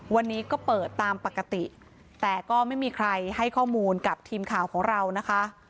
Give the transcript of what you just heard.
วันนี้ก็เปิดตามปกติแต่ก็ไม่มีใครให้ข้อมูลกับทีมข่าวของเรานะคะ